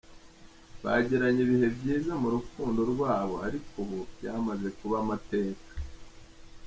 Bagiranye ibihe byiza mu rukundo rwabo ariko ubu byamaze kuba amateka.